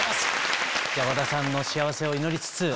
和田さんの幸せを祈りつつ。